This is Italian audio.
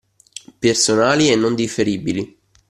Personali e non differibili